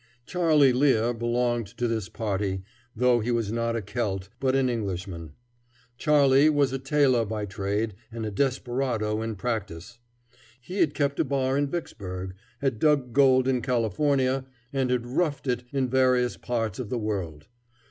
Charley Lear belonged to this party, though he was not a Celt, but an Englishman. Charley was a tailor by trade and a desperado in practice. He had kept a bar in Vicksburg, had dug gold in California, and had "roughed it" in various other parts of the world.